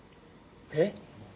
えっ？